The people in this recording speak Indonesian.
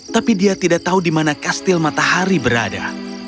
tapi dia tidak tahu di mana kastil matahari berada